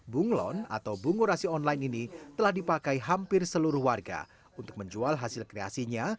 bunglon atau bungurasi online ini telah dipakai hampir seluruh warga untuk menjual hasil kreasinya